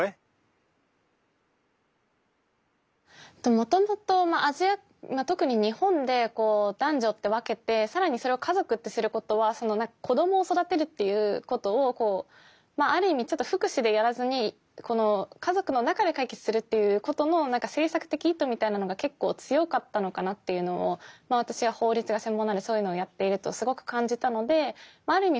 もともとアジア特に日本で男女って分けて更にそれを家族ってすることは子供を育てるっていうことをある意味ちょっと福祉でやらずに家族の中で解決するっていうことの政策的意図みたいなのが結構強かったのかなっていうのを私は法律が専門なのでそういうのをやっているとすごく感じたのである意味